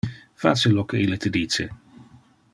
Face lo que ille te dice.